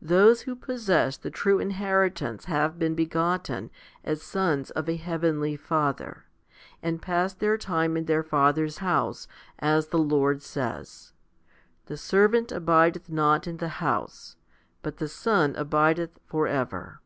1 Those who possess the true inheritance have been begotten as sons of a heavenly Father, and pass their time in their Father's house, as the Lord says, The servant abideth not in the house, but the son abideth for ever?